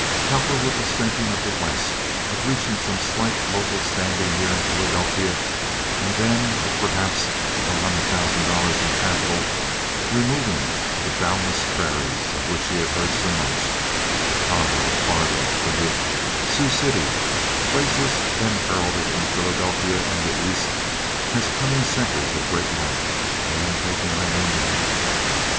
Cowperwood was thinking of the West—of reaching some slight local standing here in Philadelphia, and then, with perhaps one hundred thousand dollars in capital, removing to the boundless prairies of which he had heard so much—Chicago, Fargo, Duluth, Sioux City, places then heralded in Philadelphia and the East as coming centers of great life—and taking Aileen with him.